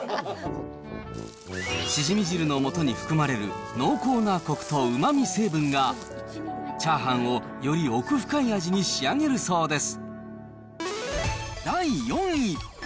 しじみ汁のもとに含まれる濃厚なコクとうまみ成分が、チャーハンをより奥深い味に仕上げるそうです。